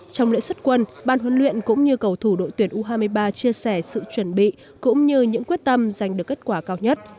trong lễ xuất quân ban huấn luyện cũng như cầu thủ đội tuyển u hai mươi ba chia sẻ sự chuẩn bị cũng như những quyết tâm giành được kết quả cao nhất